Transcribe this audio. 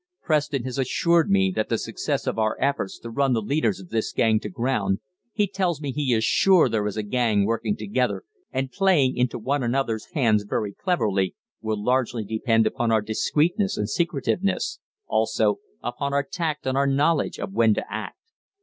Preston has assured me that the success of our efforts to run the leaders of this gang to ground he tells me he is sure there is a gang working together and playing into one another's hands very cleverly will largely depend upon our discreetness and our secretiveness, also upon our tact and our knowledge of when to act.